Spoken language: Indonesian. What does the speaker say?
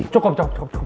cukup cukup cukup